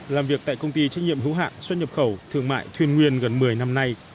làm việc tại công ty trách nhiệm hữu hạng xuất nhập khẩu thương mại thuyền nguyên gần một mươi năm nay